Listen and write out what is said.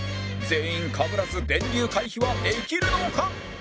全員かぶらず電流回避はできるのか？